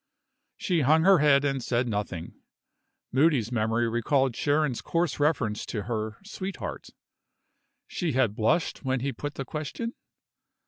She hung her head and said nothing. Moody's memory recalled Sharon's coarse reference to her "sweetheart." She had blushed when he put the question?